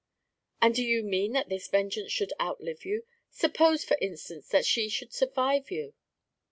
"And do you mean that this vengeance should outlive you? Suppose, for instance, that she should survive you."